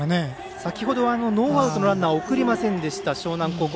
先ほどノーアウトのランナーを送りませんでした、樟南高校。